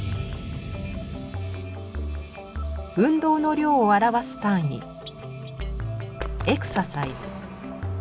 運動の量を表す単位エクササイズ。